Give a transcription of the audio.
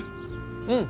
うん。